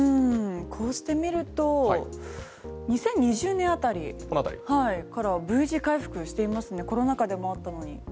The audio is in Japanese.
こうしてみると２０２０年辺りこの辺りからＶ字回復していますねコロナ禍でもあったのに。